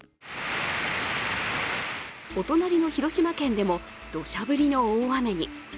お隣の広島県でもどしゃ降りの大雨に。